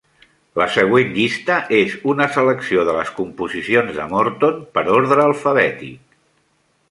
La següent llista és una selecció de les composicions de Morton, per ordre alfabètic.